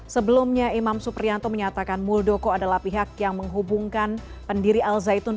sebelumnya imam suprianto menyatakan muldoko adalah pihak yang menghubungkan pendiri al zaitun